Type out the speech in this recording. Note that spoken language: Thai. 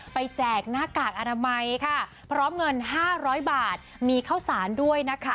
แจกหน้ากากอนามัยค่ะพร้อมเงิน๕๐๐บาทมีข้าวสารด้วยนะคะ